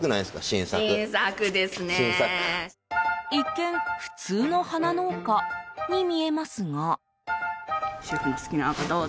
一見、普通の花農家に見えますが。